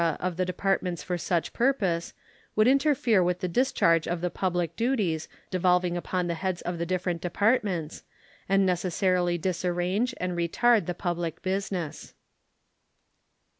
of the Departments for such purpose would interfere with the discharge of the public duties devolving upon the heads of the different Departments, and necessarily disarrange and retard the public business.